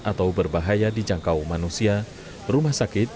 atau berbahaya di jangkau manusia rumah sakit